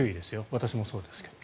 私もそうですけど。